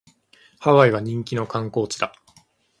ハワイは人気の観光地だ